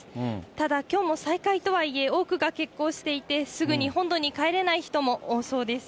ただ、きょうも再開とはいえ、多くが欠航していて、すぐに本土に帰れない人も多そうです。